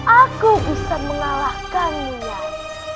aku bisa mengalahkannya